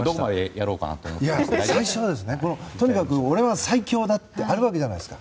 最初は、とにかく「オレは最強だ！」ってあるわけじゃないですか。